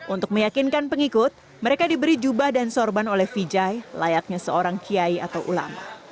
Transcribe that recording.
untuk meyakinkan pengikut mereka diberi jubah dan sorban oleh vijay layaknya seorang kiai atau ulama